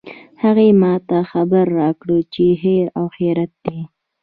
هغې ما ته خبر راکړ چې خیر او خیریت ده